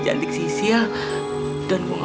cantik sisil dan rumah quer preferences